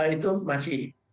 itu masih di dalam